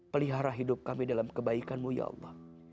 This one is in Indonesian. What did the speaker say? pelihara hidup kami dalam kebaikanmu ya allah